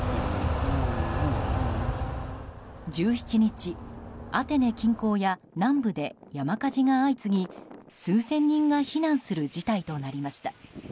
１７日、アテネ近郊や南部で山火事が相次ぎ数千人が避難する事態となりました。